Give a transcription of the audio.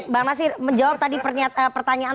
bang nasir menjawab tadi pertanyaan